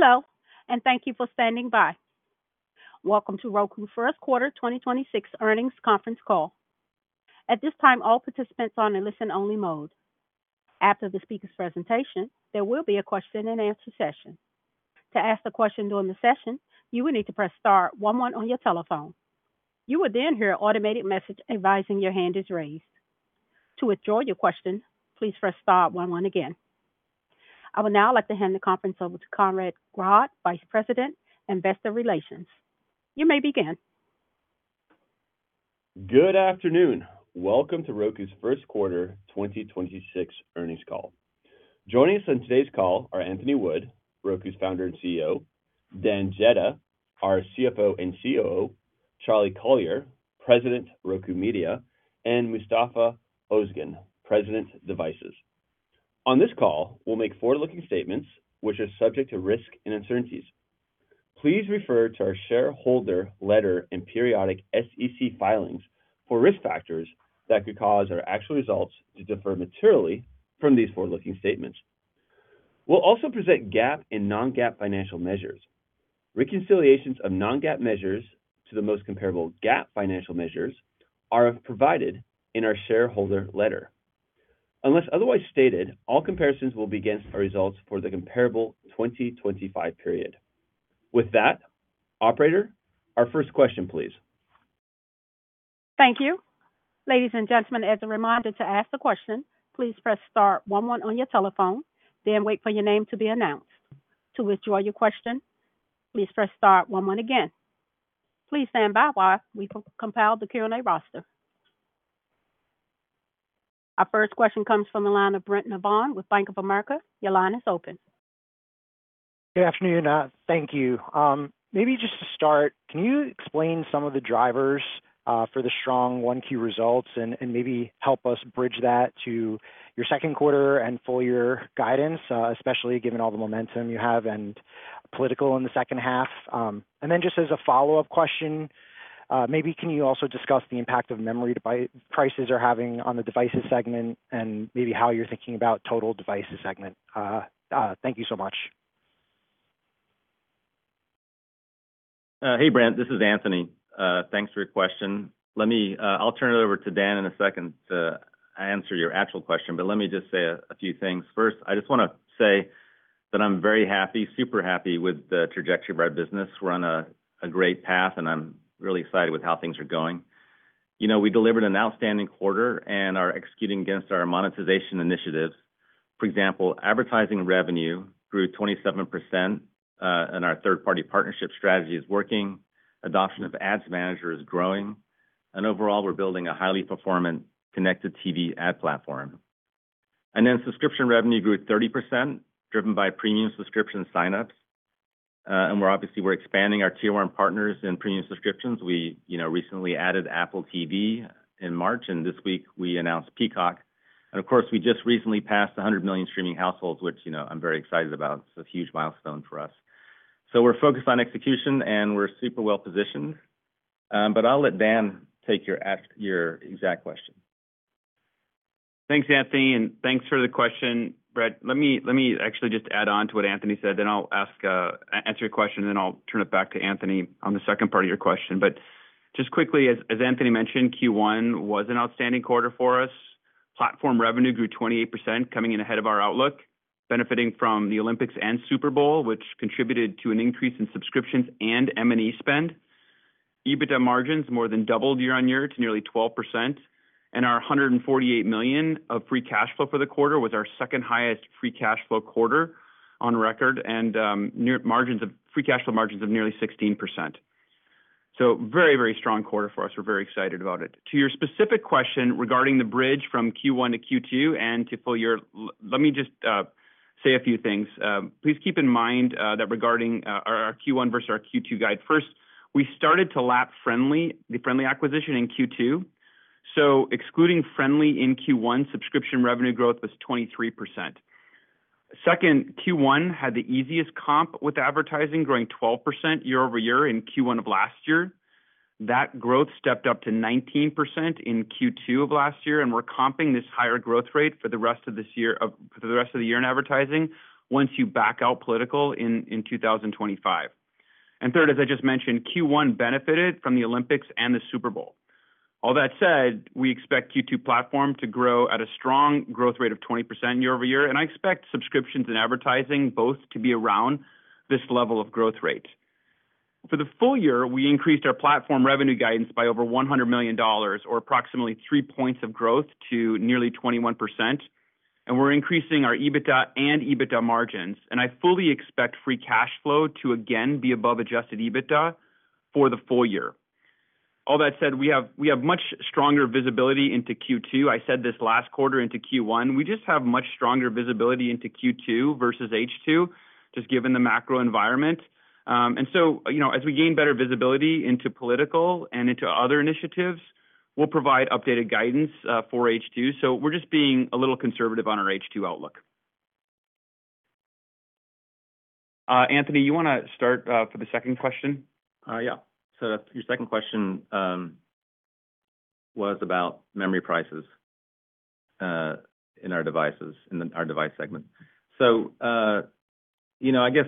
Hello, and thank you for standing by. Welcome to Roku first quarter 2026 earnings conference call. At this time, all participants are in listen only mode. After the speaker's presentation, there will be a question and answer session. To ask a question during the session, you will need to press star one one on your telephone. You will then here automated message inviting your hand is raised. To withdraw your question, please press star one one again. I will now like to hand the conference over to Conrad Grodd, Vice President, Investor Relations. You may begin. Good afternoon. Welcome to Roku's first quarter 2026 earnings call. Joining us on today's call are Anthony Wood, Roku's founder and CEO. Dan Jedda, our CFO and COO. Charlie Collier, President, Roku Media, and Mustafa Ozgen, President, Devices. On this call, we'll make forward-looking statements which are subject to risk and uncertainties. Please refer to our shareholder letter and periodic SEC filings for risk factors that could cause our actual results to differ materially from these forward-looking statements. We'll also present GAAP and non-GAAP financial measures. Reconciliations of non-GAAP measures to the most comparable GAAP financial measures are provided in our shareholder letter. Unless otherwise stated, all comparisons will be against our results for the comparable 2025 period. With that, operator, our first question, please. Thank you. Ladies and gentlemen, as a reminder to ask the question, please press star one one on your telephone, then wait for your name to be announced. To withdraw your question, please press star one one again. Please stand by while we compile the Q&A roster. Our first question comes from the line of Brent Navon with Bank of America. Your line is open. Good afternoon. Thank you. Maybe just to start, can you explain some of the drivers for the strong 1Q results and help us bridge that to your second quarter and full year guidance, especially given all the momentum you have and political in the second half? Just as a follow-up question, maybe can you also discuss the impact of memory device prices are having on the devices segment and maybe how you're thinking about total devices segment? Thank you so much. Hey Brent, this is Anthony. Thanks for your question. Let me, I'll turn it over to Dan Jedda in a second to answer your actual question, but let me just say a few things. First, I just wanna say that I'm very happy, super happy with the trajectory of our business. We're on a great path, I'm really excited with how things are going. You know, we delivered an outstanding quarter and are executing against our monetization initiatives. For example, advertising revenue grew 27%, our third-party partnership strategy is working. Adoption of Ads Manager is growing. Overall, we're building a highly performant connected TV ad platform. Then subscription revenue grew 30%, driven by premium subscription signups. We're obviously, we're expanding our Tier 1 partners and premium subscriptions. We, you know, recently added Apple TV in March, this week we announced Peacock. Of course, we just recently passed 100 million streaming households, which, you know, I'm very excited about. It's a huge milestone for us. We're focused on execution, and we're super well positioned. I'll let Dan take your exact question. Thanks, Anthony, and thanks for the question, Brent. Let me actually just add on to what Anthony said, then I'll ask, answer your question, then I'll turn it back to Anthony on the second part of your question. Just quickly, as Anthony mentioned, Q1 was an outstanding quarter for us. Platform revenue grew 28%, coming in ahead of our outlook, benefiting from the Olympics and Super Bowl, which contributed to an increase in subscriptions and M&E spend. EBITDA margins more than doubled year-over-year to nearly 12%. Our $148 million of free cash flow for the quarter was our second highest free cash flow quarter on record and near free cash flow margins of nearly 16%. Very strong quarter for us. We're very excited about it. To your specific question regarding the bridge from Q1 to Q2 and to full year, let me just say a few things. Please keep in mind that regarding our Q1 versus our Q2 guide. First, we started to lap Frndly, the Frndly acquisition in Q2. Excluding Frndly in Q1, subscription revenue growth was 23%. Second, Q1 had the easiest comp with advertising growing 12% year-over-year in Q1 of last year. That growth stepped up to 19% in Q2 of last year, and we're comping this higher growth rate for the rest of the year in advertising once you back out political in 2025. Third, as I just mentioned, Q1 benefited from the Olympics and the Super Bowl. All that said, we expect Q2 platform to grow at a strong growth rate of 20% year-over-year, and I expect subscriptions and advertising both to be around this level of growth rate. For the full year, I increased our platform revenue guidance by over $100 million or approximately three points of growth to nearly 21%. We're increasing our EBITDA and EBITDA margins, and I fully expect free cash flow to again be above adjusted EBITDA for the full year. All that said, we have much stronger visibility into Q2. I said this last quarter into Q1. We just have much stronger visibility into Q2 versus H2, just given the macro environment. You know, as we gain better visibility into political and into other initiatives, we'll provide updated guidance for H2. We're just being a little conservative on our H2 outlook. Anthony, you wanna start for the second question? Yeah. Your second question was about memory prices in our devices, our device segment. You know, I guess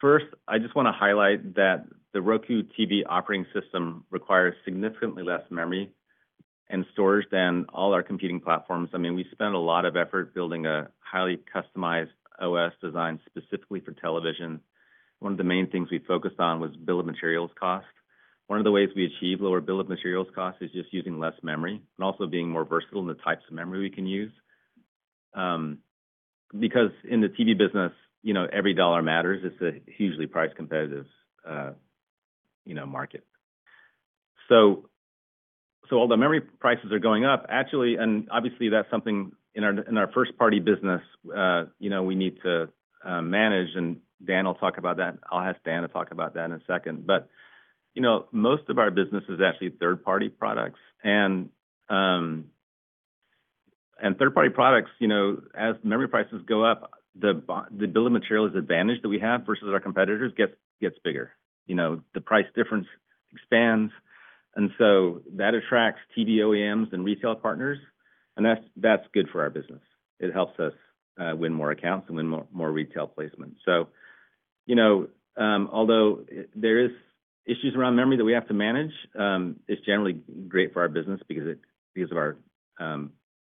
first I just wanna highlight that the Roku TV operating system requires significantly less memory and storage than all our competing platforms. I mean, we spend a lot of effort building a highly customized OS design specifically for television. One of the main things we focused on was bill of materials cost. One of the ways we achieve lower bill of materials cost is just using less memory and also being more versatile in the types of memory we can use. Because in the TV business, you know, every dollar matters. It's a hugely price competitive, you know, market. Although memory prices are going up, actually, obviously that's something in our first party business, you know, we need to manage. Dan will talk about that. I'll ask Dan to talk about that in a second. You know, most of our business is actually third-party products. Third-party products, you know, as memory prices go up, the bill of materials advantage that we have versus our competitors gets bigger. You know, the price difference expands, that attracts TV OEMs and retail partners, that's good for our business. It helps us win more accounts and win more retail placements. You know, although there is issues around memory that we have to manage, it's generally great for our business because it, because of our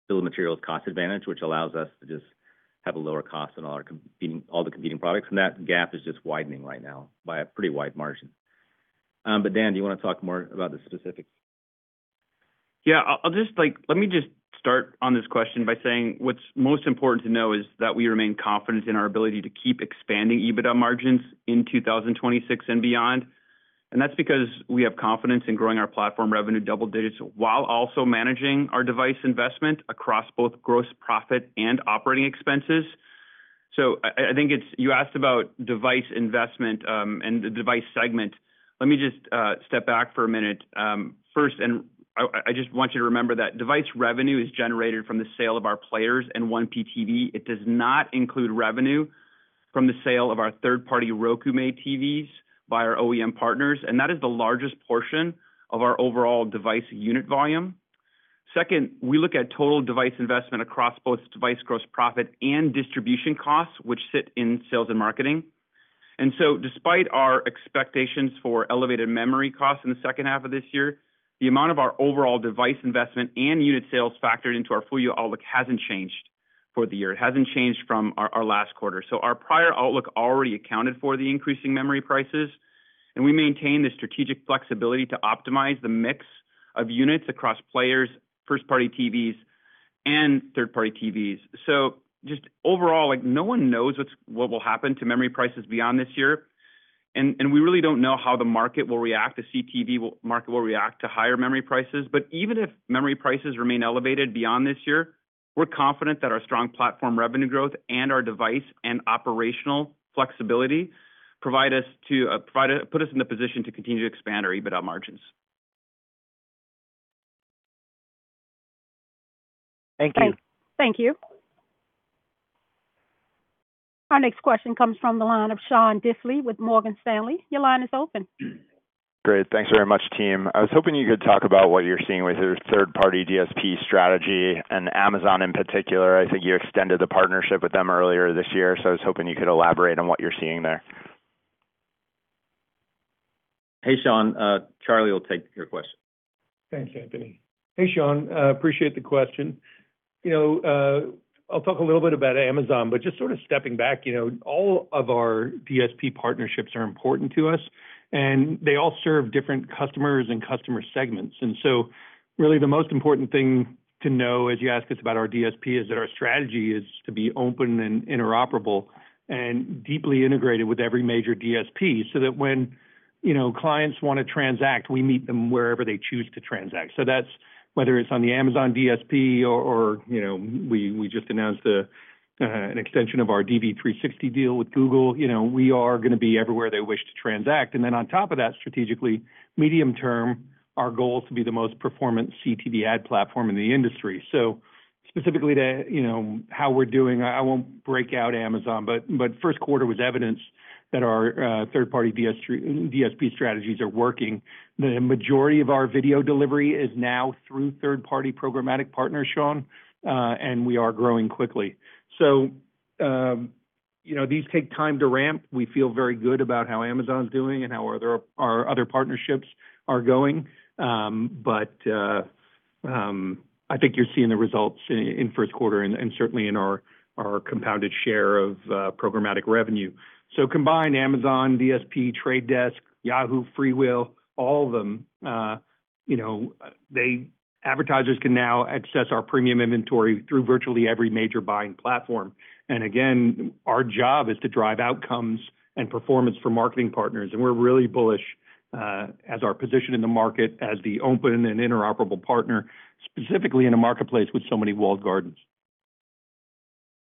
bill of materials cost advantage, which allows us to just have a lower cost than all our competing, all the competing products. That gap is just widening right now by a pretty wide margin. Dan, do you wanna talk more about the specifics? Yeah. I'll just like, let me just start on this question by saying what's most important to know is that we remain confident in our ability to keep expanding EBITDA margins in 2026 and beyond. That's because we have confidence in growing our platform revenue double digits while also managing our device investment across both gross profit and operating expenses. I think it's you asked about device investment, and the device segment. Let me just step back for a minute. First, I just want you to remember that device revenue is generated from the sale of our players and 1P TV. It does not include revenue from the sale of our third-party Roku made TVs by our OEM partners, that is the largest portion of our overall device unit volume. Second, we look at total device investment across both device gross profit and distribution costs, which sit in sales and marketing. Despite our expectations for elevated memory costs in the second half of this year, the amount of our overall device investment and unit sales factored into our full year outlook hasn't changed for the year. It hasn't changed from our last quarter. Our prior outlook already accounted for the increasing memory prices, and we maintain the strategic flexibility to optimize the mix of units across players, first-party TVs, and third-party TVs. Just overall, like, no one knows what will happen to memory prices beyond this year. We really don't know how the market will react to higher memory prices. Even if memory prices remain elevated beyond this year, we're confident that our strong platform revenue growth and our device and operational flexibility put us in the position to continue to expand our EBITDA margins. Thank you. Thank you. Our next question comes from the line of Sean Diffley with Morgan Stanley. Your line is open. Great. Thanks very much, team. I was hoping you could talk about what you're seeing with your third-party DSP strategy and Amazon in particular. I think you extended the partnership with them earlier this year. I was hoping you could elaborate on what you're seeing there. Hey, Sean. Charlie will take your question. Thanks, Anthony. Hey, Sean. Appreciate the question. You know, I'll talk a little bit about Amazon, but just sort of stepping back, you know, all of our DSP partnerships are important to us, and they all serve different customers and customer segments. Really the most important thing to know as you ask us about our DSP is that our strategy is to be open and interoperable and deeply integrated with every major DSP, so that when, you know, clients wanna transact, we meet them wherever they choose to transact. That's whether it's on the Amazon DSP or, you know, we just announced an extension of our DV360 deal with Google. You know, we are gonna be everywhere they wish to transact. On top of that, strategically, medium term, our goal is to be the most performant CTV ad platform in the industry. Specifically to, you know, how we're doing, I won't break out Amazon, but first quarter was evidence that our third-party DSP strategies are working. The majority of our video delivery is now through third-party programmatic partners, Sean, and we are growing quickly. You know, these take time to ramp. We feel very good about how Amazon's doing and how other, our other partnerships are going. I think you're seeing the results in first quarter and certainly in our compounded share of programmatic revenue. Combined Amazon, DSP, Trade Desk, Yahoo, FreeWheel, all of them, you know, advertisers can now access our premium inventory through virtually every major buying platform. Again, our job is to drive outcomes and performance for marketing partners. We're really bullish as our position in the market as the open and interoperable partner, specifically in a marketplace with so many walled gardens.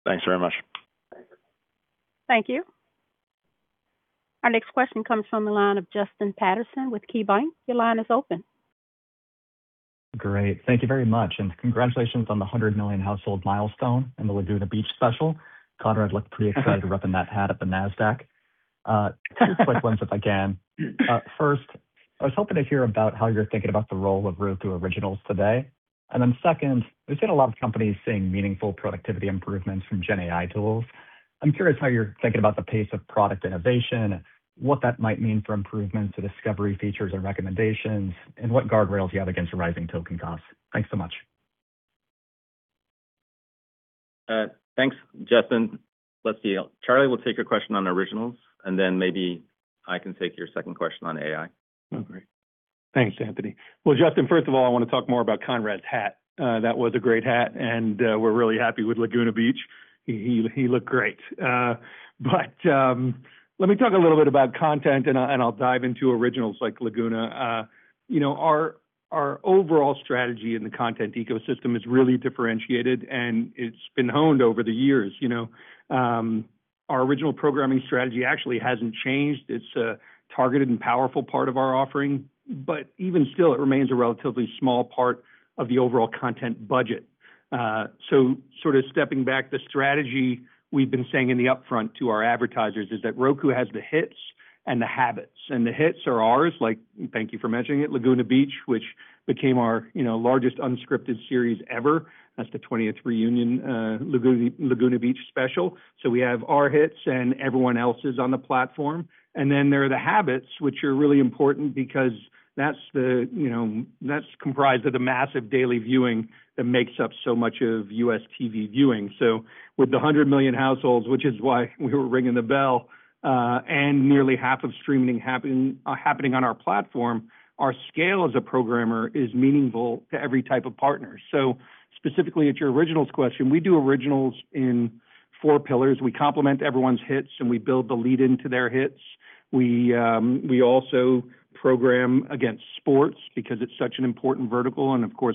Thanks very much. Thank you. Our next question comes from the line of Justin Patterson with KeyBanc. Your line is open. Great. Thank you very much. Congratulations on the 100 million household milestone and the Laguna Beach special. Conrad Grodd had looked pretty excited to rep in that hat at the Nasdaq. Two quick ones if I can. First, I was hoping to hear about how you're thinking about the role of Roku Originals today. Then second, we've seen a lot of companies seeing meaningful productivity improvements from GenAI tools. I'm curious how you're thinking about the pace of product innovation, what that might mean for improvements to discovery features or recommendations, and what guardrails you have against rising token costs. Thanks so much. Thanks, Justin. Let's see. Charlie will take your question on Originals, and then maybe I can take your second question on AI. Great. Thanks, Anthony. Justin, first of all, I want to talk more about Conrad's hat. That was a great hat, we're really happy with Laguna Beach. He looked great. Let me talk a little bit about content and I'll dive into Originals like Laguna. You know, our overall strategy in the content ecosystem is really differentiated, it's been honed over the years, you know. Our original programming strategy actually hasn't changed. It's a targeted and powerful part of our offering, even still, it remains a relatively small part of the overall content budget. Sort of stepping back, the strategy we've been saying in the upfront to our advertisers is that Roku has the hits and the habits. The hits are ours, thank you for mentioning it, Laguna Beach, which became our largest unscripted series ever. That's the 20th reunion, Laguna Beach special. We have our hits and everyone else's on the platform. There are the habits, which are really important because that's comprised of the massive daily viewing that makes up so much of U.S. TV viewing. With the 100 million households, which is why we were ringing the bell, and nearly half of streaming happening on our platform, our scale as a programmer is meaningful to every type of partner. Specifically at your Originals question, we do Originals in four pillars. We complement everyone's hits, and we build the lead-in to their hits. We also program against sports because it's such an important vertical.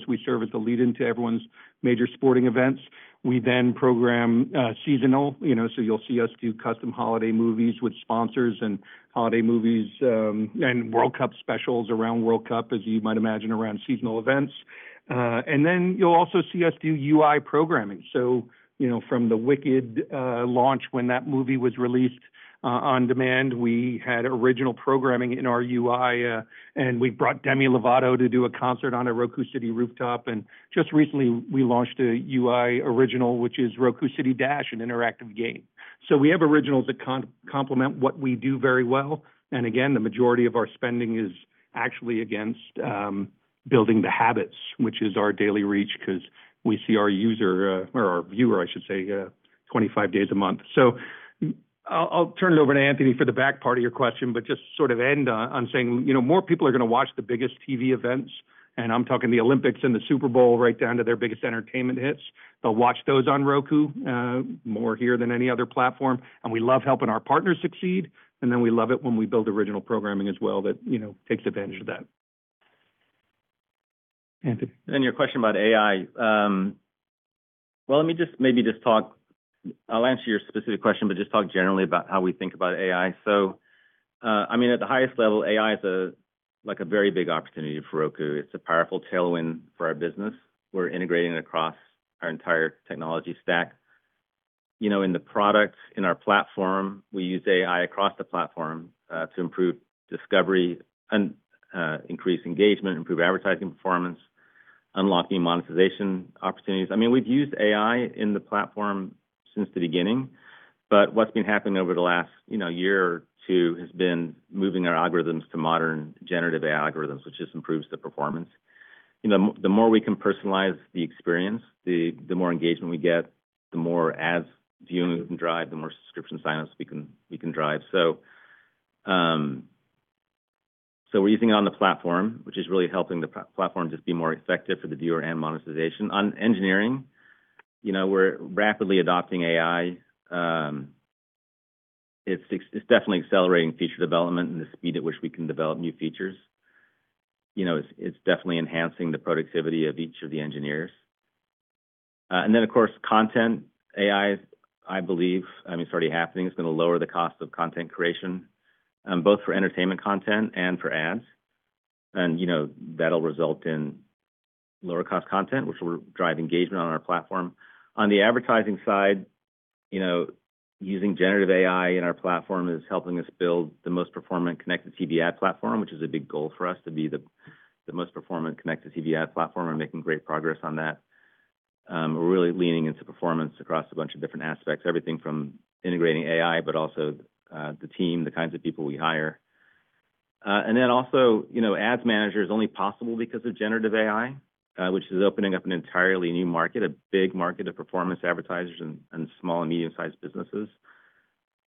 We serve as a lead-in to everyone's major sporting events. We program seasonal. You know, you'll see us do custom holiday movies with sponsors and holiday movies, World Cup specials around World Cup, as you might imagine, around seasonal events. You'll also see us do UI programming. You know, from the Wicked launch, when that movie was released on demand, we had original programming in our UI. We brought Demi Lovato to do a concert on a Roku City rooftop. Just recently, we launched a UI original, which is Roku City Dash, an interactive game. We have Originals that complement what we do very well. Again, the majority of our spending is actually against building the habits, which is our daily reach 'cause we see our user or our viewer, I should say, 25 days a month. I'll turn it over to Anthony for the back part of your question, but just sort of end on saying, you know, more people are gonna watch the biggest TV events, and I'm talking the Olympics and the Super Bowl right down to their biggest entertainment hits. They'll watch those on Roku more here than any other platform. We love helping our partners succeed, and then we love it when we build original programming as well that, you know, takes advantage of that. Anthony. Your question about AI. Well, I'll answer your specific question, but just talk generally about how we think about AI. I mean, at the highest level, AI is a, like a very big opportunity for Roku. It's a powerful tailwind for our business. We're integrating it across our entire technology stack. You know, in the products, in our platform, we use AI across the platform to improve discovery and increase engagement, improve advertising performance, unlocking monetization opportunities. I mean, we've used AI in the platform since the beginning, but what's been happening over the last, you know, year or two has been moving our algorithms to modern generative AI algorithms, which just improves the performance. You know, the more we can personalize the experience, the more engagement we get, the more ads units we can drive, the more subscription signups we can drive. We're using it on the platform, which is really helping the platform just be more effective for the viewer and monetization. On engineering, you know, we're rapidly adopting AI. It's definitely accelerating feature development and the speed at which we can develop new features. You know, it's definitely enhancing the productivity of each of the engineers. Of course, content AI, I believe, I mean, it's already happening. It's gonna lower the cost of content creation, both for entertainment content and for ads. You know, that'll result in lower cost content, which will drive engagement on our platform. On the advertising side, you know, using Generative AI in our platform is helping us build the most performant connected TV ad platform, which is a big goal for us to be the most performant connected TV ad platform. We're really leaning into performance across a bunch of different aspects, everything from integrating AI, but also the team, the kinds of people we hire. Then also, you know, Ads Manager is only possible because of Generative AI, which is opening up an entirely new market, a big market of performance advertisers and small and medium-sized businesses.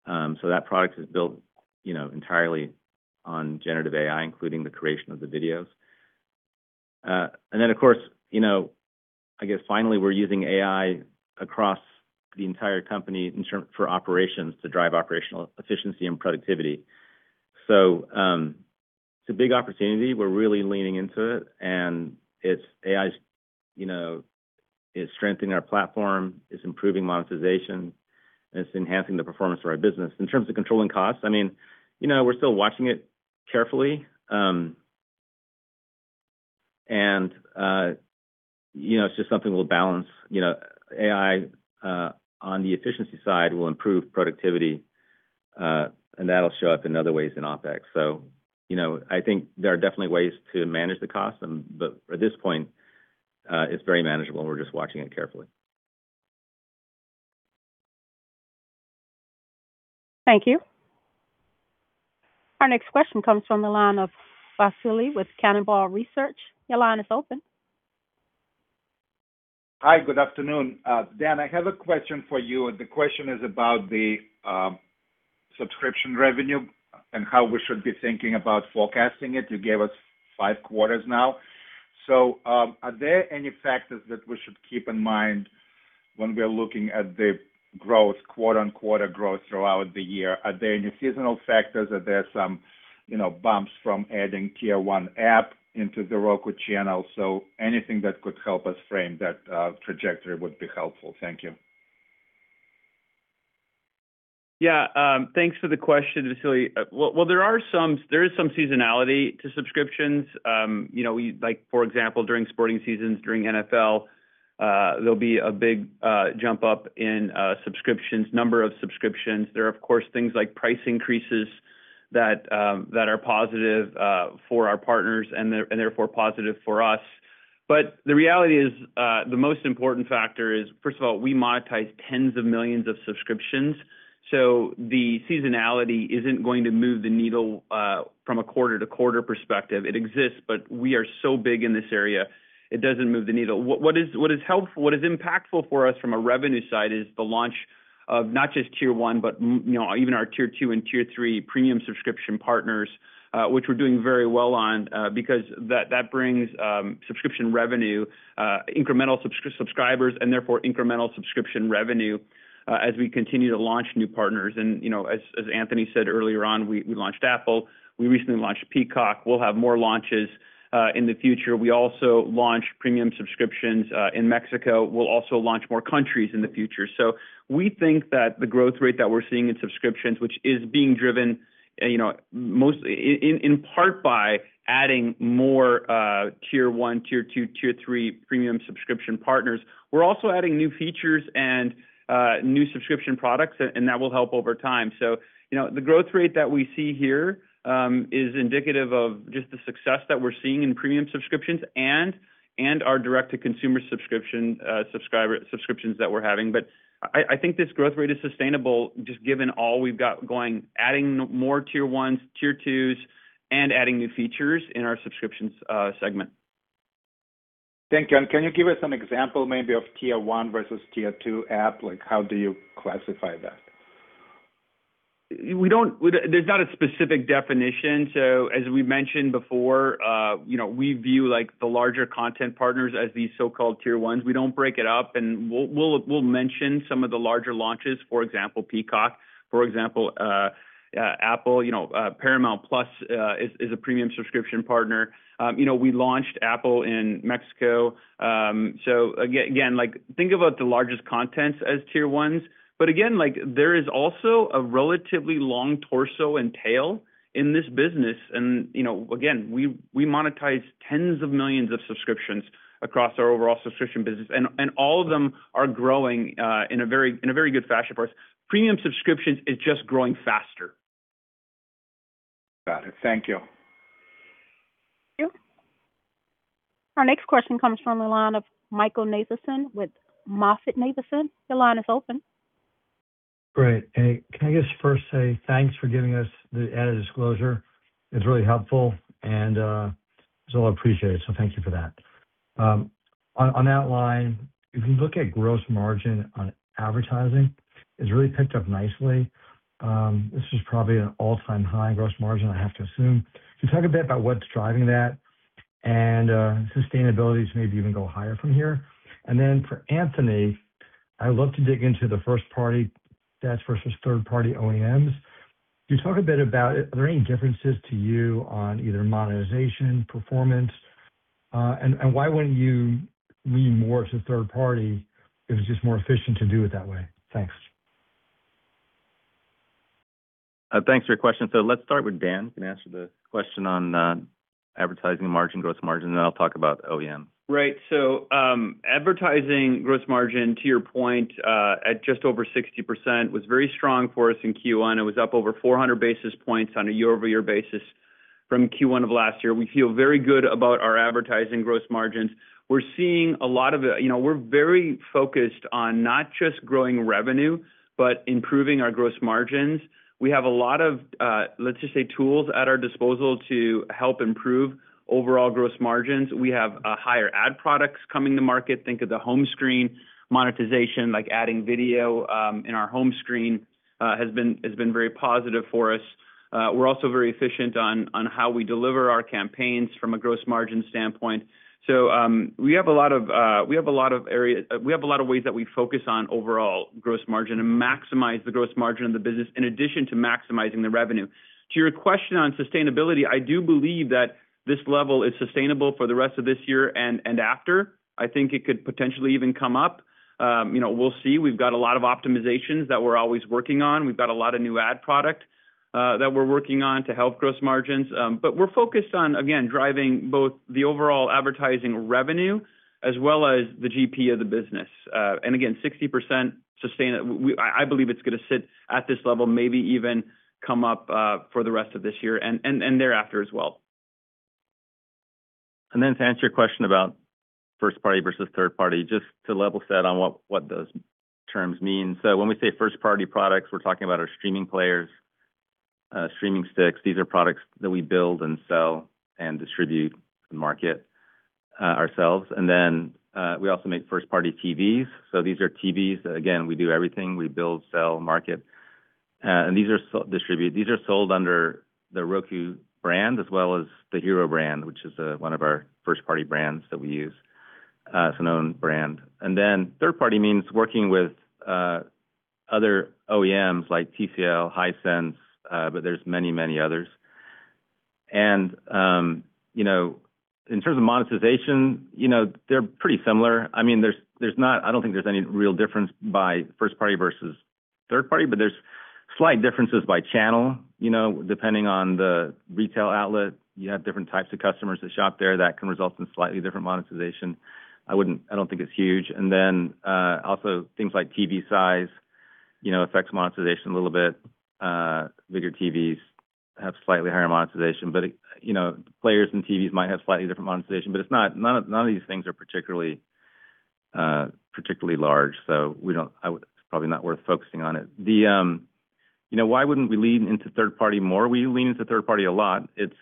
That product is built, you know, entirely on Generative AI, including the creation of the videos. Then of course, you know, I guess finally, we're using AI across the entire company for operations to drive operational efficiency and productivity. It's a big opportunity. We're really leaning into it, and it's, AI's, you know, it's strengthening our platform, it's improving monetization, and it's enhancing the performance of our business. In terms of controlling costs, I mean, you know, we're still watching it carefully. You know, it's just something we'll balance. You know, AI on the efficiency side will improve productivity, and that'll show up in other ways in OpEx. You know, I think there are definitely ways to manage the cost, but at this point, it's very manageable and we're just watching it carefully. Thank you. Our next question comes from the line of Vasily with Cannonball Research. Your line is open. Hi, good afternoon. Dan, I have a question for you. The question is about the subscription revenue and how we should be thinking about forecasting it. You gave us five quarters now. Are there any factors that we should keep in mind when we're looking at the growth, quarter-on-quarter growth throughout the year? Are there any seasonal factors? Are there some, you know, bumps from adding Tier 1 app into The Roku Channel? Anything that could help us frame that trajectory would be helpful. Thank you. Yeah. Thanks for the question, Vasily. Well, there is some seasonality to subscriptions. You know, like, for example, during sporting seasons, during NFL, there'll be a big jump up in subscriptions, number of subscriptions. There are, of course, things like price increases that are positive for our partners and therefore positive for us. The reality is, the most important factor is, first of all, we monetize tens of millions of subscriptions, so the seasonality isn't going to move the needle from a quarter-over-quarter perspective. It exists, but we are so big in this area, it doesn't move the needle. What is helpful, what is impactful for us from a revenue side is the launch of not just Tier 1, but you know, even our Tier 2 and Tier 3 premium subscription partners, which we're doing very well on. That brings subscription revenue, incremental subscribers and therefore incremental subscription revenue, as we continue to launch new partners. You know, as Anthony said earlier on, we launched Apple. We recently launched Peacock. We'll have more launches in the future. We also launched premium subscriptions in Mexico. We'll also launch more countries in the future. We think that the growth rate that we're seeing in subscriptions, which is being driven, you know, most in part by adding more Tier 1, Tier 2, Tier 3 premium subscription partners. We're also adding new features and new subscription products and that will help over time. You know, the growth rate that we see here is indicative of just the success that we're seeing in premium subscriptions and our direct-to-consumer subscriptions that we're having. I think this growth rate is sustainable, just given all we've got going, adding more Tier 1s, Tier 2s, and adding new features in our subscriptions segment. Thank you. Can you give us an example maybe of Tier 1 versus Tier 2 app? Like, how do you classify that? There's not a specific definition. As we mentioned before, you know, we view, like, the larger content partners as these so-called Tier 1s. We don't break it up. We'll mention some of the larger launches, for example, Peacock, for example, Apple. You know, Paramount+, is a premium subscription partner. You know, we launched Apple in Mexico. Again, like, think about the largest contents as Tier 1s. Again, like, there is also a relatively long torso and tail in this business. You know, again, we monetize tens of millions of subscriptions across our overall subscription business. All of them are growing in a very good fashion for us. Premium subscriptions is just growing faster. Got it. Thank you. Thank you. Our next question comes from the line of Michael Nathanson with MoffettNathanson. Your line is open. Great. Can I just first say thanks for giving us the added disclosure. It's really helpful and it's all appreciated, so thank you for that. On that line, if you look at gross margin on advertising, it's really picked up nicely. This is probably an all-time high gross margin, I have to assume. Can you talk a bit about what's driving that and sustainability to maybe even go higher from here? Then for Anthony, I'd love to dig into the first party stats versus third-party OEMs. Can you talk a bit about are there any differences to you on either monetization, performance? Why wouldn't you lean more to third party if it's just more efficient to do it that way? Thanks. Thanks for your question. Let's start with Dan. Can answer the question on advertising margin, gross margin, and then I'll talk about OEM. Right. Advertising gross margin, to your point, at just over 60% was very strong for us in Q1. It was up over 400 basis points on a year-over-year basis from Q1 of last year. We feel very good about our advertising gross margins. We're seeing a lot of, you know, we're very focused on not just growing revenue, but improving our gross margins. We have a lot of, let's just say, tools at our disposal to help improve overall gross margins. We have higher ad products coming to market. Think of the home screen monetization, like adding video, in our home screen, has been very positive for us. We're also very efficient on how we deliver our campaigns from a gross margin standpoint. We have a lot of ways that we focus on overall gross margin and maximize the gross margin of the business in addition to maximizing the revenue. To your question on sustainability, I do believe that this level is sustainable for the rest of this year and after. I think it could potentially even come up. You know, we'll see. We've got a lot of optimizations that we're always working on. We've got a lot of new ad product that we're working on to help gross margins. We're focused on, again, driving both the overall advertising revenue as well as the GP of the business. Again, 60% sustain. I believe it's gonna sit at this level, maybe even come up for the rest of this year and thereafter as well. To answer your question about first party versus third party, just to level set on what those terms mean. When we say first party products, we're talking about our streaming players, streaming sticks. These are products that we build and sell and distribute and market ourselves. We also make first party TVs. These are TVs that, again, we do everything. We build, sell, market, and distribute. These are sold under the Roku brand as well as the Hiro brand, which is one of our first party brands that we use, it's a known brand. Third party means working with other OEMs like TCL, Hisense, but there's many, many others. You know, in terms of monetization, you know, they're pretty similar. I mean, I don't think there's any real difference by first party versus third party, but there's slight differences by channel, you know. Depending on the retail outlet, you have different types of customers that shop there that can result in slightly different monetization. I don't think it's huge. Also things like TV size, you know, affects monetization a little bit. Bigger TVs have slightly higher monetization, but, you know, players and TVs might have slightly different monetization, but it's not. None of these things are particularly large, so it's probably not worth focusing on it. You know, why wouldn't we lean into third party more? We lean into third party a lot. It's,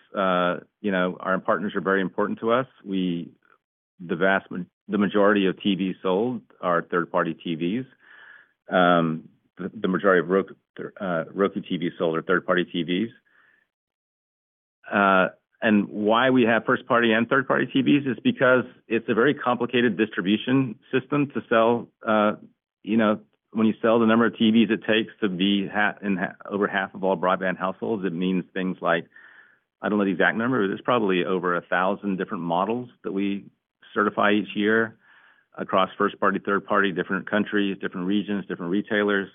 you know, our partners are very important to us. The majority of TVs sold are third party TVs. The majority of Roku TVs sold are third party TVs. Why we have first party and third party TVs is because it's a very complicated distribution system to sell, you know, when you sell the number of TVs it takes to be over half of all broadband households, it means things like, I don't know the exact number, there's probably over 1,000 different models that we certify each year across first party, third party, different countries, different regions, different retailers.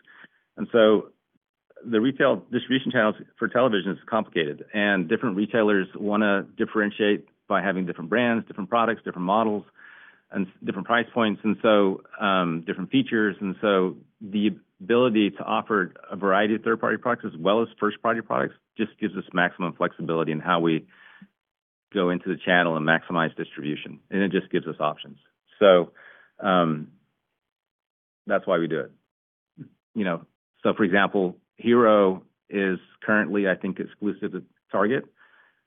The retail distribution channels for television is complicated, and different retailers wanna differentiate by having different brands, different products, different models and different price points and so, different features. The ability to offer a variety of third party products as well as first party products just gives us maximum flexibility in how we go into the channel and maximize distribution, and it just gives us options. That's why we do it. You know, for example, Hiro is currently, I think, exclusive to Target,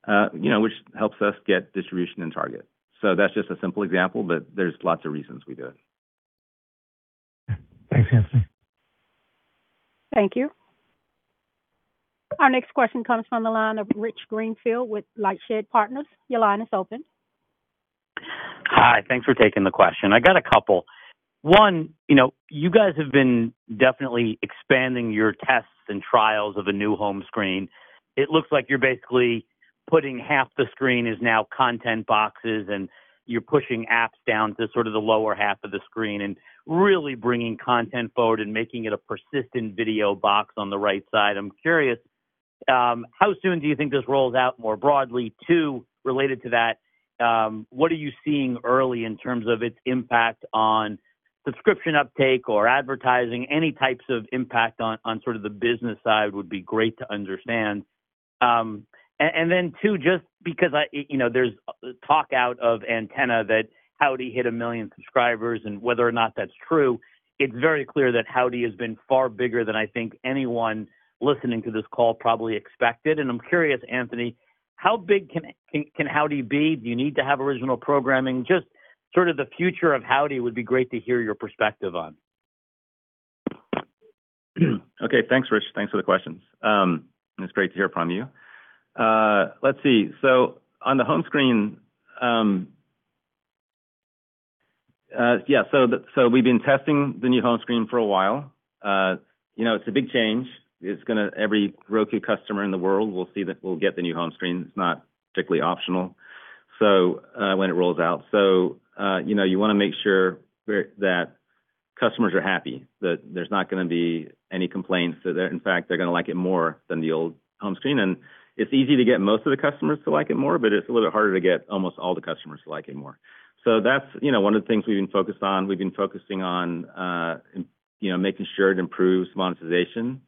you know, which helps us get distribution in Target. That's just a simple example, but there's lots of reasons we do it. Thanks, Anthony. Thank you. Our next question comes from the line of Rich Greenfield with LightShed Partners. Your line is open. Hi. Thanks for taking the question. I got a couple. One, you know, you guys have been definitely expanding your tests and trials of a new home screen. It looks like you're basically putting half the screen is now content boxes, and you're pushing apps down to sort of the lower half of the screen and really bringing content forward and making it a persistent video box on the right side. I'm curious, how soon do you think this rolls out more broadly? Two, related to that, what are you seeing early in terms of its impact on subscription uptake or advertising? Any types of impact on sort of the business side would be great to understand. Then, just because I, you know, there's talk out of Antenna that Howdy hit 1 million subscribers and whether or not that's true, it's very clear that Howdy has been far bigger than I think anyone listening to this call probably expected. I'm curious, Anthony, how big can Howdy be? Do you need to have original programming? Just sort of the future of Howdy would be great to hear your perspective on. Okay. Thanks, Rich. Thanks for the questions. It's great to hear from you. Let's see. On the home screen, yeah, we've been testing the new home screen for a while. You know, it's a big change. Every Roku customer in the world will get the new home screen. It's not particularly optional, so, when it rolls out. You know, you wanna make sure that customers are happy, that there's not gonna be any complaints, that they're, in fact, gonna like it more than the old home screen. It's easy to get most of the customers to like it more, but it's a little harder to get almost all the customers to like it more. That's, you know, one of the things we've been focused on. We've been focusing on, you know, making sure it improves monetization,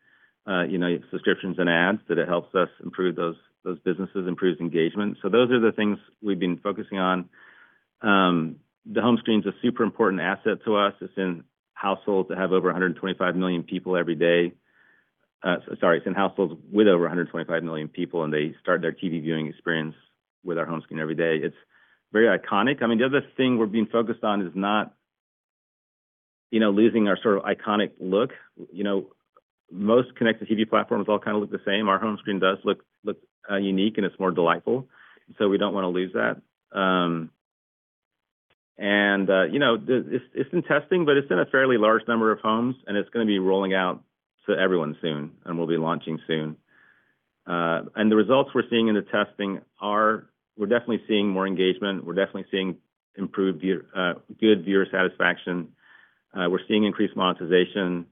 you know, subscriptions and ads, that it helps us improve those businesses, improves engagement. Those are the things we've been focusing on. The home screen's a super important asset to us. It's in households that have over 125 million people every day. It's in households with over 125 million people, and they start their TV viewing experience with our home screen every day. It's very iconic. I mean, the other thing we're being focused on is not, you know, losing our sort of iconic look. You know, most connected TV platforms all kind of look the same. Our home screen does look unique, and it's more delightful, so we don't want to lose that. And you know, the, it's in testing, but it's in a fairly large number of homes, and it's gonna be rolling out to everyone soon, and we'll be launching soon. And the results we're seeing in the testing are we're definitely seeing more engagement. We're definitely seeing improved good viewer satisfaction. We're seeing increased monetization.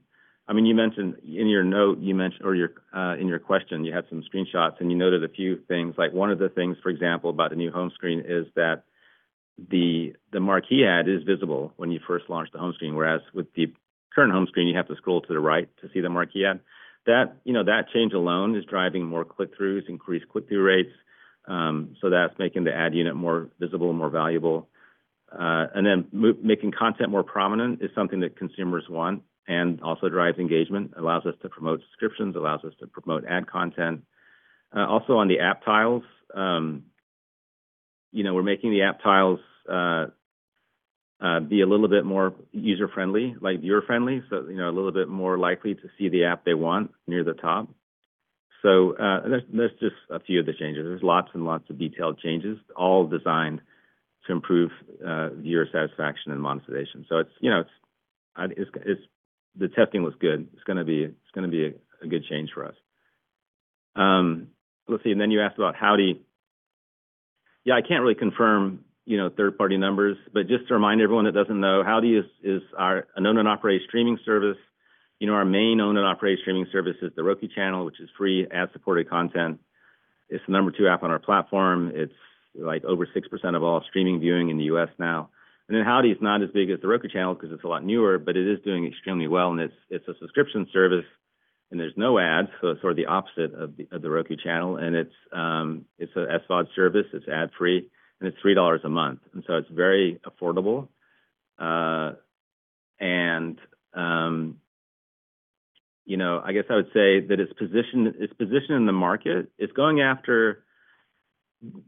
I mean, you mentioned in your note, you mentioned or your in your question, you had some screenshots, and you noted a few things. Like, one of the things, for example, about the new home screen is that the marquee ad is visible when you first launch the home screen, whereas with the current home screen, you have to scroll to the right to see the marquee ad. That, you know, that change alone is driving more click-throughs, increased click-through rates. That's making the ad unit more visible and more valuable. Then making content more prominent is something that consumers want and also drives engagement. Allows us to promote subscriptions, allows us to promote ad content. Also on the app tiles, you know, we're making the app tiles be a little bit more user-Friendly, like viewer-Friendly, you know, a little bit more likely to see the app they want near the top. That's, that's just a few of the changes. There's lots and lots of detailed changes, all designed to improve viewer satisfaction and monetization. It's, you know, it's. The testing was good. It's gonna be a good change for us. Let's see. Then you asked about Howdy. Yeah, I can't really confirm, you know, third-party numbers, but just to remind everyone that doesn't know, Howdy is our own and operate streaming service. You know, our main own and operate streaming service is The Roku Channel, which is free ad-supported content. It's the number two app on our platform. It's, like, over 6% of all streaming viewing in the U.S. now. Howdy is not as big as The Roku Channel because it's a lot newer, but it is doing extremely well, and it's a subscription service, and there's no ads, so it's sort of the opposite of The Roku Channel. It's a SVOD service. It's ad-free, and it's $3 a month, and so it's very affordable. You know, I guess I would say that its position in the market, it's going after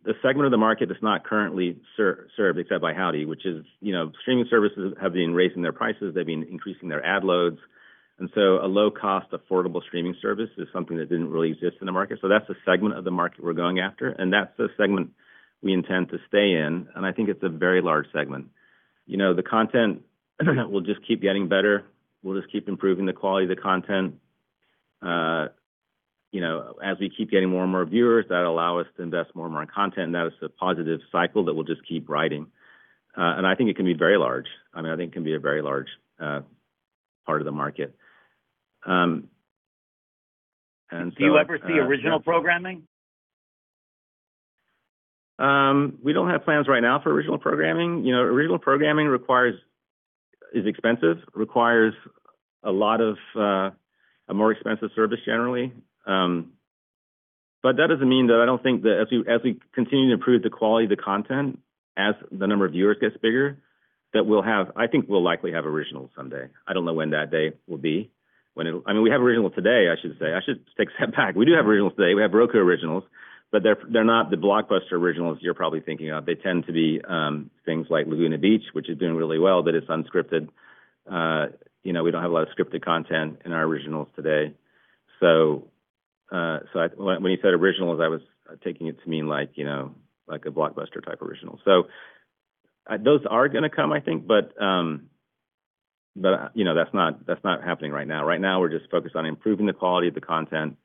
a segment of the market that's not currently served except by Howdy, which is, you know, streaming services have been raising their prices. They've been increasing their ad loads. A low-cost, affordable streaming service is something that didn't really exist in the market, so that's a segment of the market we're going after, and that's the segment we intend to stay in, and I think it's a very large segment. You know, the content will just keep getting better. We'll just keep improving the quality of the content. You know, as we keep getting more and more viewers, that'll allow us to invest more and more in content. That is a positive cycle that will just keep riding. I think it can be very large. I mean, I think it can be a very large part of the market. Do you ever see original programming? We don't have plans right now for original programming. You know, original programming is expensive. Requires a lot of a more expensive service generally. That doesn't mean that I don't think that as we continue to improve the quality of the content, as the number of viewers gets bigger, I think we'll likely have originals someday. I don't know when that day will be. I mean, we have originals today, I should say. I should take a step back. We do have originals today. We have Roku Originals, but they're not the blockbuster originals you're probably thinking of. They tend to be things like Laguna Beach, which is doing really well, but it's unscripted. You know, we don't have a lot of scripted content in our originals today. When, when you said Originals, I was taking it to mean like, you know, like a blockbuster-type original. Those are gonna come, I think, but, you know, that's not, that's not happening right now. Right now we're just focused on improving the quality of the content,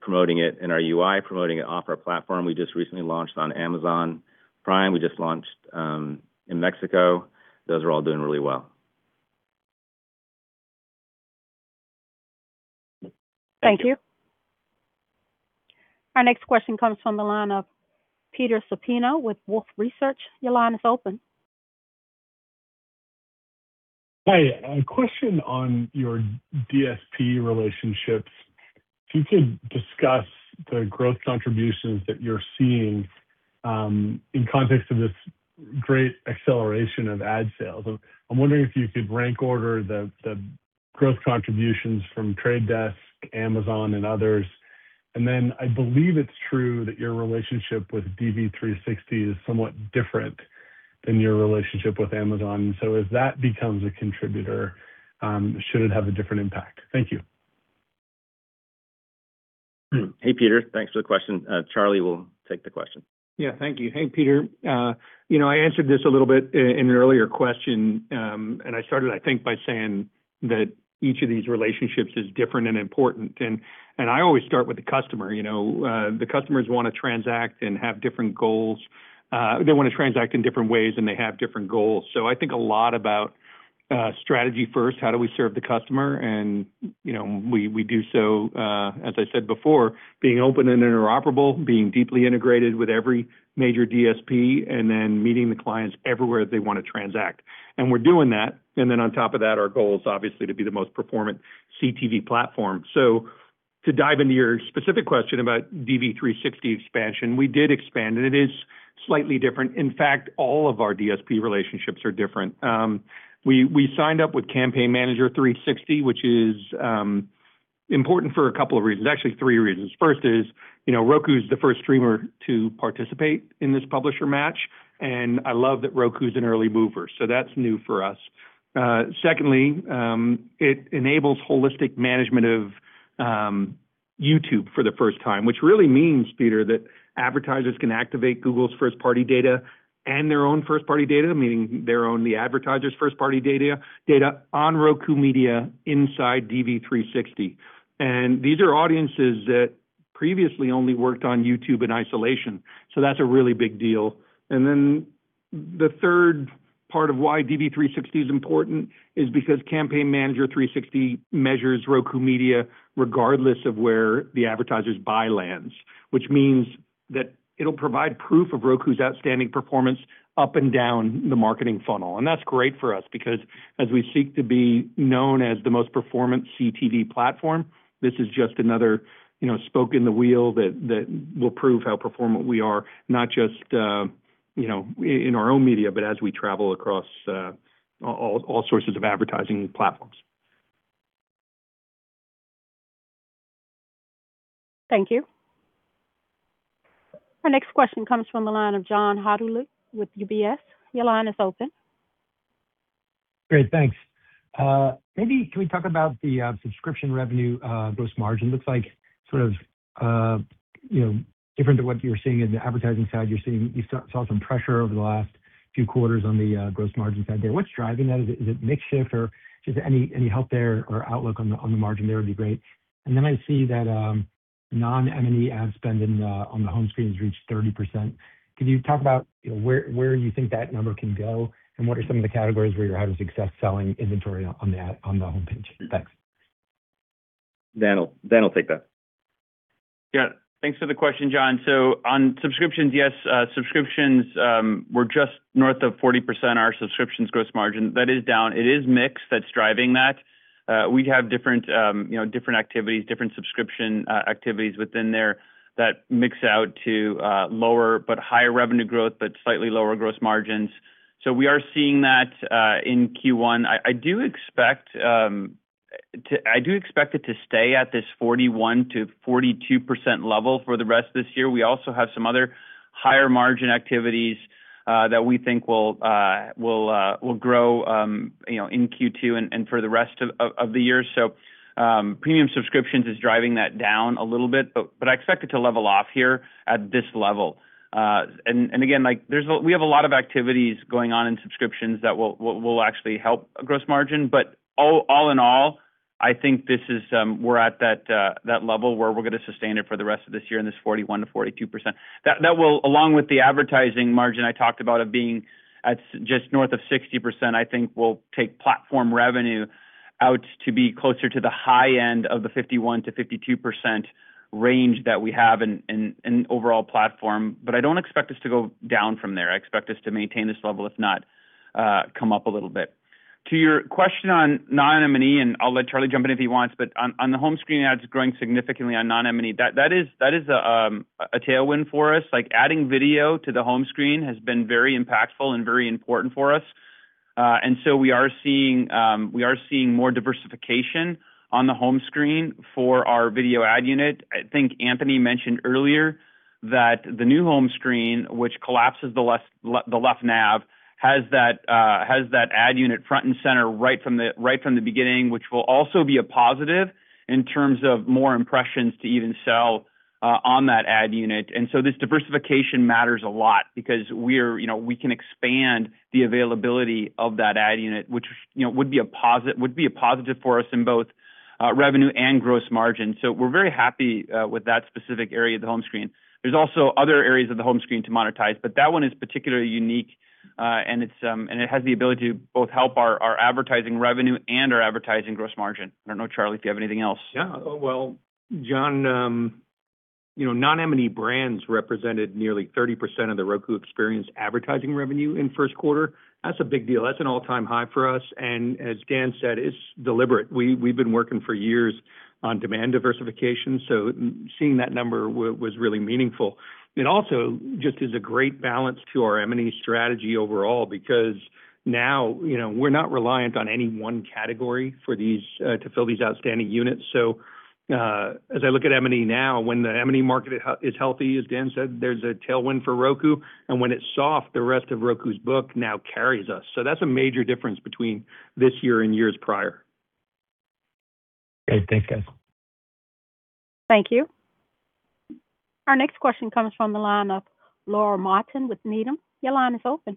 promoting it in our UI, promoting it off our platform. We just recently launched on Amazon Prime. We just launched in Mexico. Those are all doing really well. Thank you. Our next question comes from the line of Peter Supino with Wolfe Research. Hi. A question on your DSP relationships. If you could discuss the growth contributions that you're seeing in context of this great acceleration of ad sales. I'm wondering if you could rank order the growth contributions from The Trade Desk, Amazon, and others. I believe it's true that your relationship with DV360 is somewhat different than your relationship with Amazon. As that becomes a contributor, should it have a different impact? Thank you. Hey, Peter. Thanks for the question. Charlie will take the question. Thank you. Hey, Peter. You know, I answered this a little bit in an earlier question, and I started, I think, by saying that each of these relationships is different and important. I always start with the customer. You know, the customers wanna transact and have different goals. They wanna transact in different ways, and they have different goals. I think a lot about strategy first, how do we serve the customer and, you know, we do so, as I said before, being open and interoperable, being deeply integrated with every major DSP, and then meeting the clients everywhere they wanna transact. We're doing that. On top of that, our goal is obviously to be the most performant CTV platform. To dive into your specific question about DV360 expansion, we did expand, and it is slightly different. Infact all of our DSP relationships are different. We signed up with Campaign Manager 360, which is important for a couple of reasons. Actually, three reasons. First is, you know, Roku's the first streamer to participate in this publisher match, and I love that Roku's an early mover, so that's new for us. Secondly, it enables holistic management of YouTube for the first time, which really means, Peter, that advertisers can activate Google's first-party data and their own first-party data, meaning their own, the advertiser's first-party data on Roku Media inside DV360. These are audiences that previously only worked on YouTube in isolation, so that's a really big deal. The third part of why DV360 is important is because Campaign Manager 360 measures Roku Media regardless of where the advertisers buy lands, which means that it'll provide proof of Roku's outstanding performance up and down the marketing funnel. That's great for us because as we seek to be known as the most performant CTV platform, this is just another, you know, spoke in the wheel that will prove how performant we are, not just, you know, in our own media, but as we travel across all sources of advertising platforms. Thank you. Our next question comes from the line of John Hodulik with UBS. Your line is open. Great. Thanks. Can we talk about the subscription revenue gross margin. Looks like sort of, you know, different to what you're seeing in the advertising side. You saw some pressure over the last few quarters on the gross margin side there. What's driving that? Is it mix shift or just any help there or outlook on the margin there would be great. I see that non-M&E ad spend on the home screen has reached 30%. Can you talk about, you know, where you think that number can go, and what are some of the categories where you're having success selling inventory on the homepage? Thanks. Dan will take that. Yeah. Thanks for the question, John. On subscriptions, yes, subscriptions, we're just north of 40%, our subscriptions gross margin. That is down. It is mix that's driving that. We have different, you know, different activities, different subscription activities within there that mix out to lower, but higher revenue growth, but slightly lower gross margins. We are seeing that in Q1. I do expect it to stay at this 41%-42% level for the rest of this year. We also have some other higher margin activities that we think will grow, you know, in Q2 and for the rest of the year. Premium subscriptions is driving that down a little bit, but I expect it to level off here at this level. Again, like we have a lot of activities going on in subscriptions that will actually help gross margin. All in all, I think this is, we're at that level where we're gonna sustain it for the rest of this year in this 41%-42%. That will, along with the advertising margin I talked about of being at just north of 60%, I think will take platform revenue out to be closer to the high end of the 51%-52% range that we have in overall platform. I don't expect us to go down from there. I expect us to maintain this level, if not, come up a little bit. To your question on non-M&E, I'll let Charlie jump in if he wants, but on the home screen ads growing significantly on non-M&E, that is a tailwind for us. Like, adding video to the home screen has been very impactful and very important for us. We are seeing more diversification on the home screen for our video ad unit. I think Anthony mentioned earlier that the new home screen, which collapses the left nav, has that ad unit front and center, right from the beginning, which will also be a positive in terms of more impressions to even sell on that ad unit. This diversification matters a lot because we're, you know, we can expand the availability of that ad unit, which, you know, would be a positive for us in both revenue and gross margin. We're very happy with that specific area of the home screen. There's also other areas of the home screen to monetize, but that one is particularly unique. And it has the ability to both help our advertising revenue and our advertising gross margin. I don't know, Charlie, if you have anything else. Well, John, you know, non-M&E brands represented nearly 30% of the Roku experience advertising revenue in first quarter. That's a big deal. That's an all-time high for us. As Dan said, it's deliberate. We've been working for years on demand diversification, so seeing that number was really meaningful. It also just is a great balance to our M&E strategy overall because now, you know, we're not reliant on any one category for these to fill these outstanding units. As I look at M&E now, when the M&E market is healthy, as Dan said, there's a tailwind for Roku, and when it's soft, the rest of Roku's book now carries us. That's a major difference between this year and years prior. Great. Thanks, guys. Thank you. Our next question comes from the line of Laura Martin with Needham. Your line is open.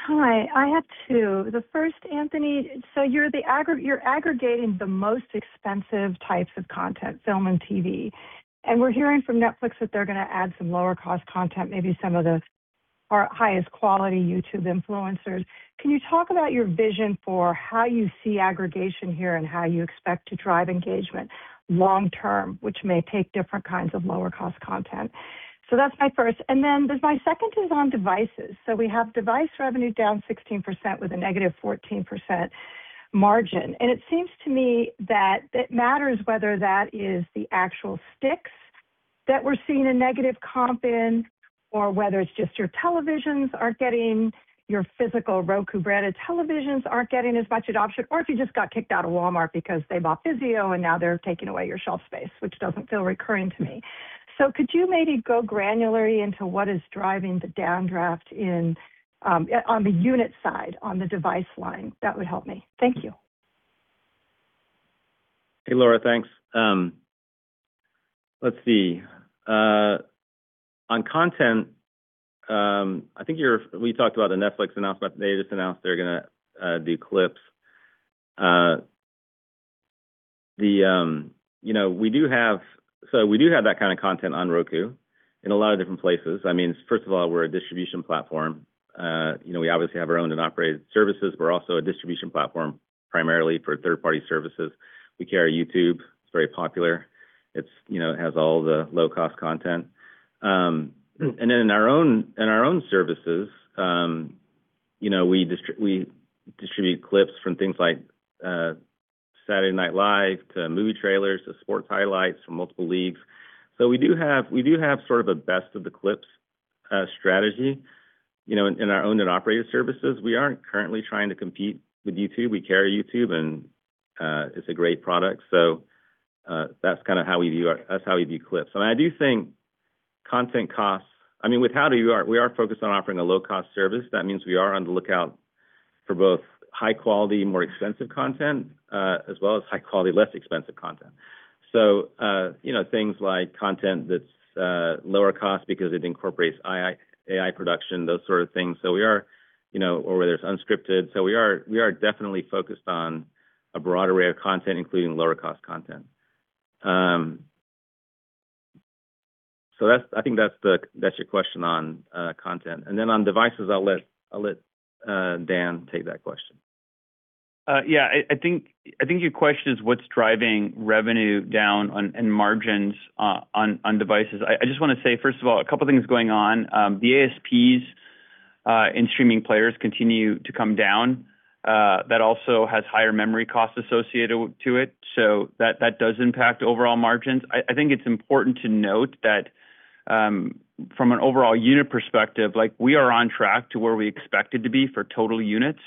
Hi. I have two. The first, Anthony, you're aggregating the most expensive types of content, film and TV. We're hearing from Netflix that they're gonna add some lower cost content, maybe some of the, our highest quality YouTube influencers. Can you talk about your vision for how you see aggregation here and how you expect to drive engagement long term, which may take different kinds of lower cost content? That's my first. There's my second is on devices. We have device revenue down 16% with a negative 14% margin. It seems to me that it matters whether that is the actual sticks that we're seeing a negative comp in or whether it's just your televisions aren't getting, your physical Roku branded televisions aren't getting as much adoption, or if you just got kicked out of Walmart because they bought VIZIO, and now they're taking away your shelf space, which doesn't feel recurring to me. Could you maybe go granularly into what is driving the downdraft in on the unit side, on the device line? That would help me. Thank you. Hey, Laura. Thanks. Let's see. On content, I think we talked about the Netflix announcement. They just announced they're gonna do clips. You know, we do have that kind of content on Roku in a lot of different places. I mean, first of all, we're a distribution platform. You know, we obviously have our owned and operated services. We're also a distribution platform primarily for third-party services. We carry YouTube. It's very popular. It's, you know, it has all the low-cost content. Then in our own, in our own services, you know, we distribute clips from things like Saturday Night Live to movie trailers to sports highlights from multiple leagues. We do have sort of a best of the clips strategy, you know, in our owned and operated services. We aren't currently trying to compete with YouTube. We carry YouTube and it's a great product. That's kinda how we view clips. I do think content costs. I mean, we are focused on offering a low-cost service. That means we are on the lookout for both high quality, more expensive content, as well as high quality, less expensive content. You know, things like content that's lower cost because it incorporates AI production, those sort of things. We are, you know, or whether it's unscripted. We are definitely focused on a broad array of content, including lower cost content. That's, I think that's the, that's your question on content. Then on devices, I'll let Dan take that question. Yeah. I think your question is what's driving revenue down on, in margins on devices. I just wanna say, first of all, a couple things going on. The ASPs and streaming players continue to come down. That also has higher memory costs associated to it, so that does impact overall margins. I think it's important to note that, from an overall unit perspective, like we are on track to where we expected to be for total units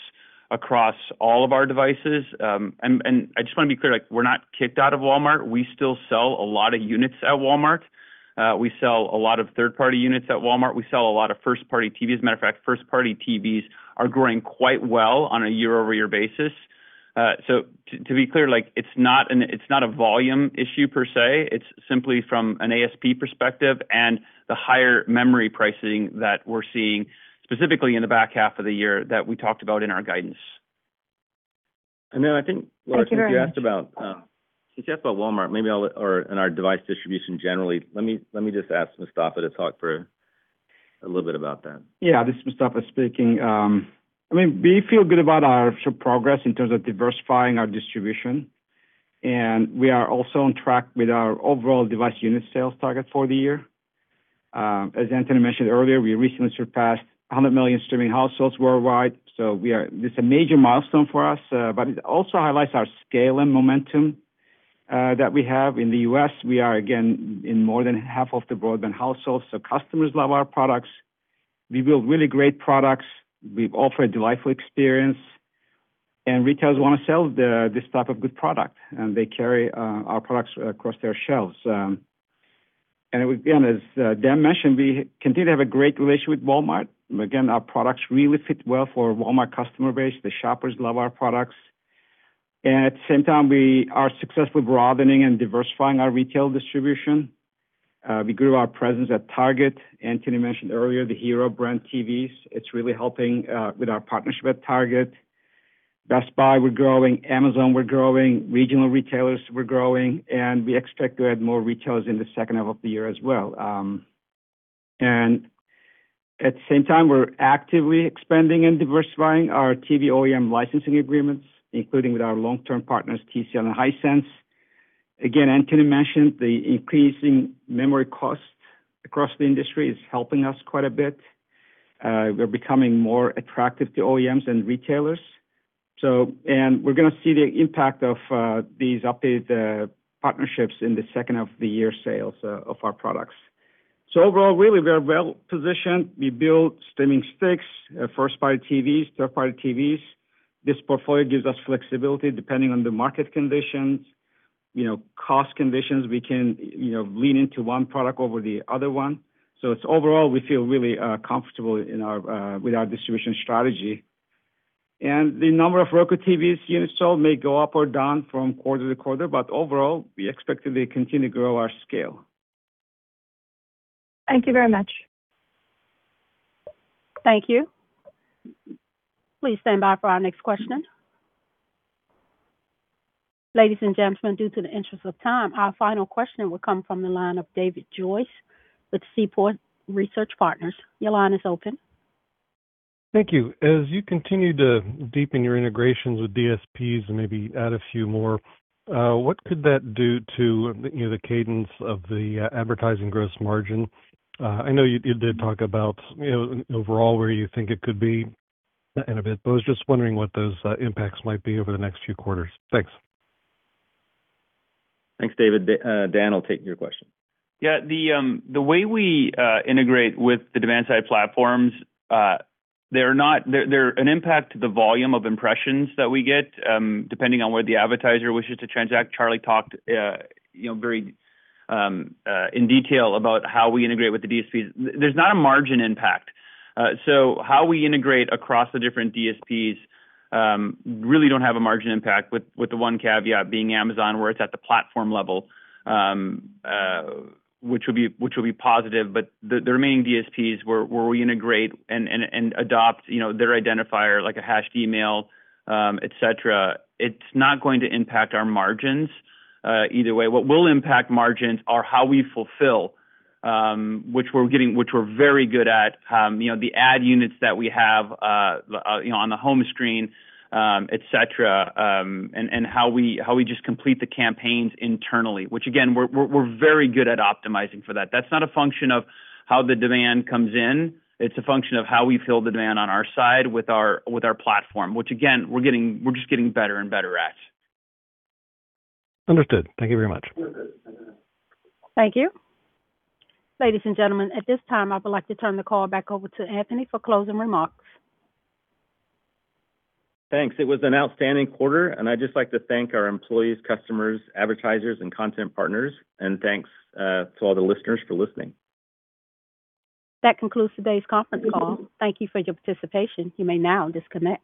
across all of our devices. And I just wanna be clear, like we're not kicked out of Walmart. We still sell a lot of units at Walmart. We sell a lot of third-party units at Walmart. We sell a lot of first-party TVs. Matter of fact, first-party TVs are growing quite well on a year-over-year basis. To be clear, like it's not a volume issue per se. It's simply from an ASP perspective and the higher memory pricing that we're seeing specifically in the back half of the year that we talked about in our guidance. And then I think- Thank you very much.... Laura, since you asked about, since you asked about Walmart, maybe I'll, or, and our device distribution generally, let me just ask Mustafa to talk for a little bit about that. Yeah. This is Mustafa speaking. I mean, we feel good about our progress in terms of diversifying our distribution, and we are also on track with our overall device unit sales target for the year. As Anthony mentioned earlier, we recently surpassed 100 million streaming households worldwide, so this a major milestone for us. It also highlights our scale and momentum that we have. In the U.S., we are, again, in more than half of the broadband households, so customers love our products. We build really great products. We offer a delightful experience, and retailers wanna sell this type of good product, and they carry our products across their shelves. Again, as Dan mentioned, we continue to have a great relationship with Walmart. Again, our products really fit well for Walmart customer base. The shoppers love our products. At the same time, we are successfully broadening and diversifying our retail distribution. We grew our presence at Target. Anthony mentioned earlier the Hiro brand TVs. It's really helping with our partnership at Target. Best Buy, we're growing. Amazon, we're growing. Regional retailers, we're growing. We expect to add more retailers in the second half of the year as well. At the same time, we're actively expanding and diversifying our TV OEM licensing agreements, including with our long-term partners, TCL and Hisense. Again, Anthony mentioned the increasing memory costs across the industry is helping us quite a bit. We're becoming more attractive to OEMs and retailers. We're gonna see the impact of these updated partnerships in the second half of the year sales of our products. Overall, really we are well-positioned. We build streaming sticks, first-party TVs, third-party TVs. This portfolio gives us flexibility depending on the market conditions. You know, cost conditions, we can, you know, lean into one product over the other one. Overall, we feel really comfortable in our with our distribution strategy. The number of Roku TVs units sold may go up or down from quarter to quarter, but overall, we expect to continue to grow our scale. Thank you very much. Thank you. Please stand by for our next question. Ladies and gentlemen, due to the interest of time, our final question will come from the line of David Joyce with Seaport Research Partners. Your line is open. Thank you. As you continue to deepen your integrations with DSPs and maybe add a few more, what could that do to, you know, the cadence of the advertising gross margin? I know you did talk about, you know, overall where you think it could be in a bit, but I was just wondering what those impacts might be over the next few quarters. Thanks. Thanks, David. Dan will take your question. Yeah. The way we integrate with the demand-side platforms, they're an impact to the volume of impressions that we get depending on where the advertiser wishes to transact. Charlie talked, you know, very in detail about how we integrate with the DSPs. There's not a margin impact. How we integrate across the different DSPs really don't have a margin impact with the one caveat being Amazon, where it's at the platform level, which will be positive. The remaining DSPs where we integrate and adopt, you know, their identifier like a hashed email, et cetera, it's not going to impact our margins either way. What will impact margins are how we fulfill, which we're very good at. You know, the ad units that we have, you know, on the home screen, et cetera, and how we just complete the campaigns internally, which again, we're very good at optimizing for that. That's not a function of how the demand comes in. It's a function of how we fill the demand on our side with our platform, which again, we're just getting better and better at. Understood. Thank you very much. Thank you. Ladies and gentlemen, at this time, I would like to turn the call back over to Anthony for closing remarks. Thanks. It was an outstanding quarter, and I'd just like to thank our employees, customers, advertisers, and content partners. Thanks to all the listeners for listening. That concludes today's conference call. Thank you for your participation. You may now disconnect.